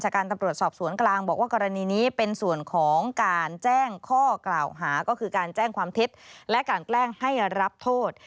การตำรวจสอบสวนกลางบอกว่ากรณีนี้เป็นส่วนของการแจ้งข้อกล่าวหาก็คือการแจ้งความเท็จและการแกล้งให้รับโทษ